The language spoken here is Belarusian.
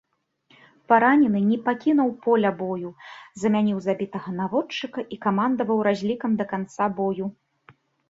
Паранены, не пакінуў поля бою, замяніў забітага наводчыка і камандаваў разлікам да канца бою.